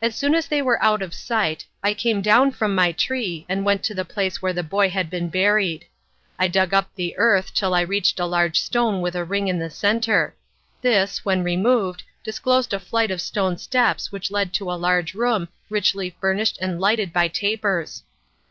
As soon as they were out of sight, I came down from my tree, and went to the place where the boy had been buried. I dug up the earth till I reached a large stone with a ring in the centre. This, when removed, disclosed a flight of stone steps which led to a large room richly furnished and lighted by tapers.